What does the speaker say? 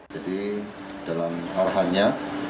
jadi dalam arahannya